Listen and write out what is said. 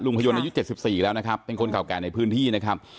พยนต์อายุ๗๔แล้วนะครับเป็นคนเก่าแก่ในพื้นที่นะครับ